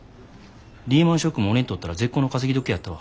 リーマンショックも俺にとったら絶好の稼ぎ時やったわ。